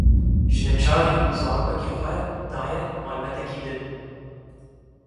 Ji neçarî zarokekî xwe daye malbateke din.